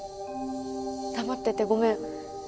黙っててごめん。